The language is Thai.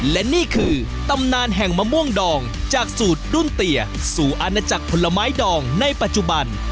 และนี่คือตำนานแห่งมะม่วงดองจากสูตรรุ่นเตียสู่อาณาจักรผลไม้ดองในปัจจุบัน